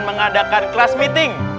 mengadakan class meeting